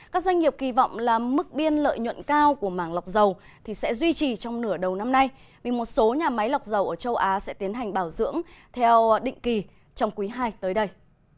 các doanh nghiệp kỳ vọng là mức biên lợi nhuận cao của mảng lọc dầu sẽ duy trì trong nửa đầu năm nay vì một số nhà máy lọc dầu ở châu á sẽ tiến hành bảo dưỡng theo định kỳ trong quý ii tới đây